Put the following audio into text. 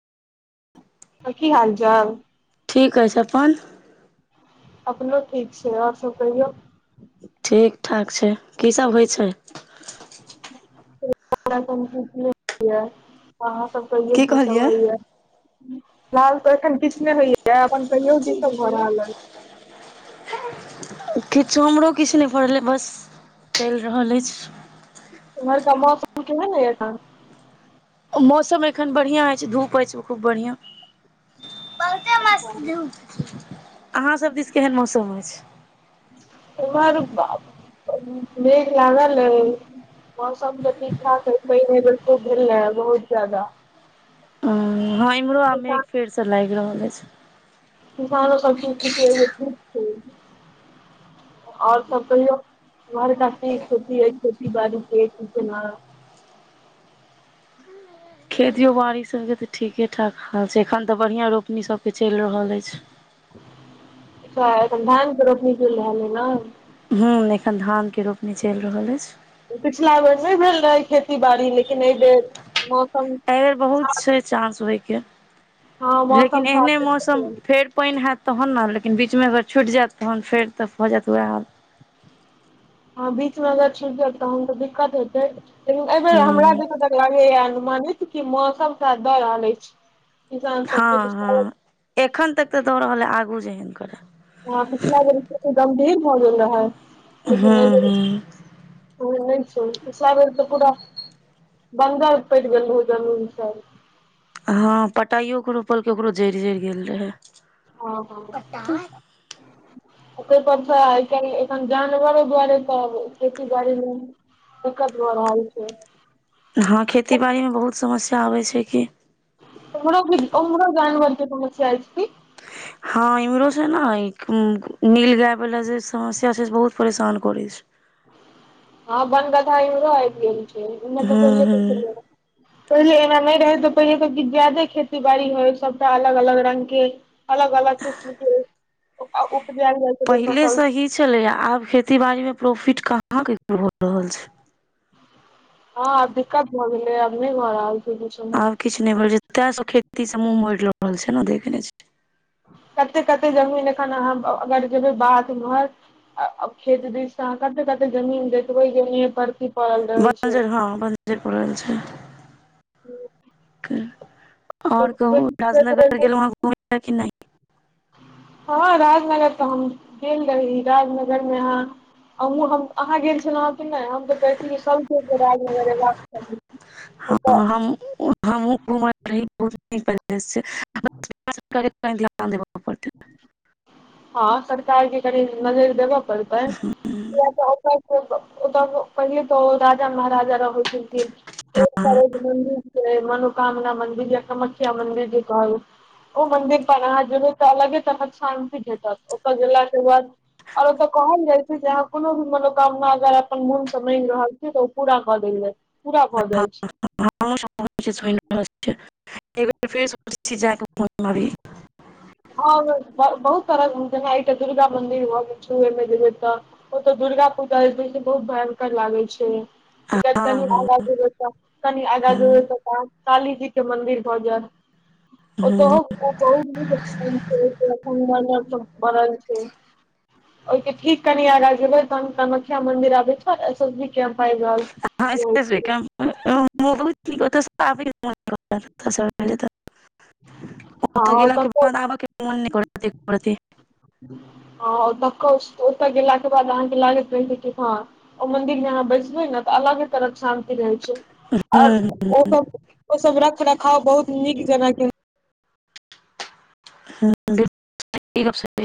आर की हाल चाल ठीक अछि अपन अपनो ठीक छै आओर सब कहियौ ठीक ठाक छै की सब होइ छै [unintelligible] अहाँ सब कहियो की सब होइया फिल्हाल तऽ एखन किछु ने होइया ते अपन कहियो की सब भ रहल अय किछु हमरो किछु नहि भ रहल अछि बस चलि रहल अछि इमहरका मौसम केहन अय अखन मौसम एखन बढ़िआँ अछि धूप अछि खूब बढ़िआँ बहुते मस्त अहाँ सब दिस केहन मौसम अछि इमहर मेघ लागाल अइ मौसम तऽ ठीक ठाक अइ पइन अयबेर खूब भेलै बहुत ज्यादा हँ इम्हरो आ मेघ किसान फेर से लागि रहल अछि किसानो सबके ठीके होय छै आओर सब कहियौ घर क खेती है खेती बाड़ी की केना खेतियो बाड़ी सबके तऽ ठीके ठाक हाल छै एखन तऽ बढ़िआँ रोपनी सबके चलि रहल अछि सेह एखन धान के रोपनी चैल रहल अय न हूँ एखन धानके रोपनी चलि रहल अछि पिछला बेर नहि भेल रहै खेती बाड़ी लेकिन एहि बेर मौसम ऐ बेर बहुत साथ छै चान्स होइके हँ लेकिन मौसम एहने साथे मौसम छलै फेर पानि हेत तहन ने लेकिन बीचमे अगर छुटि जेत तहन फेर तऽ भऽ जायत वएह हाल हँ बीच मे अगर छुटि जाइ तहन तऽ दिक्कत होेतै लेकिन एहि बेेर हमरा हूँ जते तक लगैया अनुमानित कि मौसम साथ दऽ रहल अछि किसान सबके हँ पिछला हँ एखन तक तऽ दऽ रहल हइ आगू जेहन करै ह पिछला बेर त गंभीर भ गेल रहा है लेकिन एहि हूँ बेर हूँ ह नहि छै पिछला बेर तऽ पूरा बन्जर परी गेल रहोऊ जमिन सब हँ पटाइयो के रोपलकेकोरो जरि जरि गेल रहे हँ पटाइ [inaudible] तइ पर स एखन जानवरो दुआरे त खेती बाड़ी दिक्कत भ रहल छै हँ खेती बाड़ी मे बहुत समस्या आबै छै कि उम्हरो भी उम्हरो जानवर के समस्या ऐछ कि हँ इम्हरोसँ ने इ उम नील गायवला जे समस्या छै से बहुत परेशान करै छै हँ बनगदहा इमरो आइब गएल छै इम्हर त हूँ मे त हूँ कह पहिले एना नहि रहे त पहिले सब किछ जा्यादे खेती बाड़ी होय सबटा अलग अलग रंग के अलग अलग किस्म के उपजेल जाय पहिले सही छलैय आब खेती बाड़ी मे प्रोफिट कहाँ केकरो भऽ रहल छै हँ आब दिक्कत भऽ गेले आब नहि घऽ रहल छै किछो नहि आब किछु नहि भ रहल छै तैं सब खेतीसँ मुँह मरि ल रहल छै ने देखने छै कते कते जमीन एखन अहाँ अगर जेबै बाध उम्हर अ अ खेत दिस से अहाँ कते कते जमीन देखबै जे उन्हिये परति बं्जर हँ बंजर पड़ल छै आओर कहू राजनगर गेलहु घुमै ले की नहि हँ राजनगर तऽ हम गेल रही राजनगर मे अहाँ अहु हम अहाँ गेल छलौँ हँ कि नहि हम तऽ कहै सबके जे के राजनगर एबाक हँ हम [unintelligible] [unintelligible] हँ सरकार के कनि नजरि देबऽ पड़तै किया ओ पहिल तो राजा महाराजा रहैत एक हँ तरफ मन्दिर मनोकामना मन्दिर या कामख्या मन्दिर जे कहै ओ मन्दिर पर अहाँ जेबै तऽ अलगे तरहके शान्ति भेटत ओत गेलाके बाद आओर ओतय कहल जाय छै जे अहाँ कहल जाय छै जे अहाँ कोनो भी मनोकामना अगर अपन मन से मागि रहल छी त ओ पूरा क देल जाय छै पूरा भऽ जाय छै [unintelligible] हँ ब बहुत तरह जेना एकटा दुर्गा मंन्दिर भ गेल छै ओहिमे जेबै तऽ ओ तऽ दुर्गा पूजा बहुत भयंकर लागे छै हँ हँ कनि आगा जेबय त कनि आगाँ हूँ जेबय त काली जी के मंदिर भऽ जायत ओ त हूँ बहुत सँग मर मर के बनल छै ओहि के ठीक कनि आगा जेबै तहन कामख्या मंदिर आबे छै एस एसी क पाया ह [unintelligible] कहलियै त ओतऽ गेलाके बाद आबके मोन नै करत एको रती ह ओतौकोस ओतऽ गेलाके बाद अहाँके लागैत रहै छै कि हँ ओ मंदिर जे अहाँ बैसबै नऽ त अलगे तरहक शान रहै छै आर हूँ ओ सब ओ सब रख रखाव बहुत नीक जेना कि